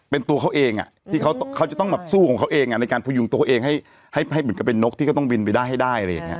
เป็นตัวเขาเองที่เขาจะต้องแบบสู้ของเขาเองในการพยุงตัวเองให้เหมือนกับเป็นนกที่ก็ต้องบินไปได้ให้ได้อะไรอย่างนี้